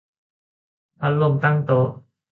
พัดลมตั้งโต๊ะ